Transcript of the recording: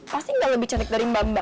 pasti gak lebih cantik dari mba mba